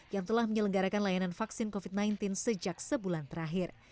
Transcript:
yang telah menyelenggarakan layanan vaksin covid sembilan belas sejak sebulan terakhir